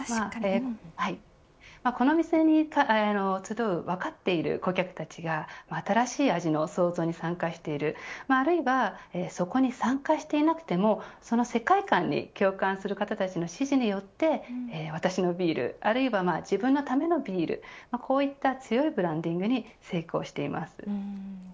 この店に集う分かっている顧客たちが新しい味の創造に参加しているあるいは、そこに参加していなくてもその世界観に共感する方たちの指示によって私のビールあるいは自分のためのビールこういった強いブランディングにつながっています。